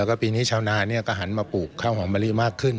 แล้วก็ปีนี้ชาวนาก็หันมาปลูกข้าวหอมมะลิมากขึ้น